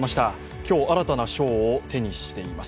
今日、新たな賞を手にしています。